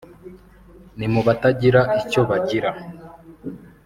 ni mu batagira icyo bagira